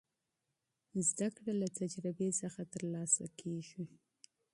علم له تجربې څخه ترلاسه کيږي.